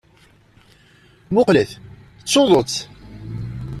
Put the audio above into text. Mmuqqlet! D tuḍut!